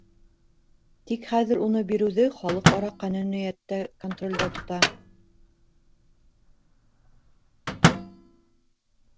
Тик хәҙер уны биреүҙе халыҡ-ара ҡануниәт тә контролдә тота.